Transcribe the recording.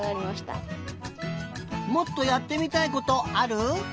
もっとやってみたいことある？